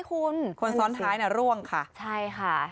คนซ้อนท้ายอะร่วงค่ะ